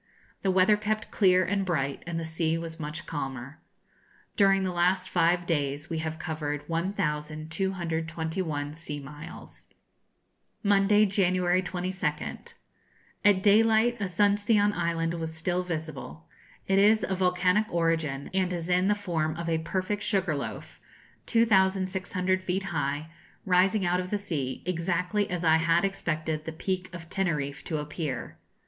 The weather kept clear and bright, and the sea was much calmer. During the last five days we have covered 1,221 sea miles. Monday, January 22nd. At daylight Asuncion Island was still visible. It is of volcanic origin, and is in the form of a perfect sugar loaf, 2,600 feet high, rising out of the sea, exactly as I had expected the Peak of Teneriffe to appear.